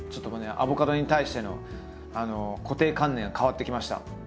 アボカドに対しての固定観念が変わってきました。